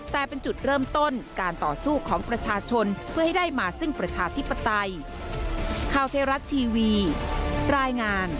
แต่เป็นจุดเริ่มต้นการต่อสู้ของประชาชนเพื่อให้ได้มาซึ่งประชาธิปไตย